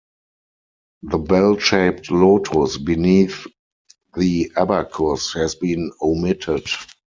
The bell-shaped lotus beneath the abacus has been omitted.